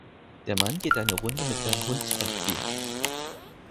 Der Mann geht eine Runde mit seinem Hund spazieren.